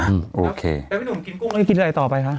แล้วพี่หนุ่มกินกุ้งกินอะไรต่อไปคะ